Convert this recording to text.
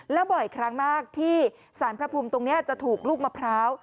แล้วบ่อยครั้งมากที่สารพระภูมิตรงนี้จะถูกลูกมะพร้าว